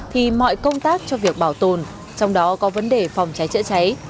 thì mọi công tác cho việc bảo tồn trong đó có vấn đề phòng cháy chữa cháy